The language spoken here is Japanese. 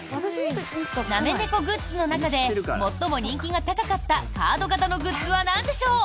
なめ猫グッズの中で最も人気が高かったカード型のグッズはなんでしょう？